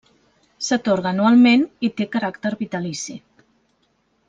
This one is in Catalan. S'atorga anualment i té caràcter vitalici.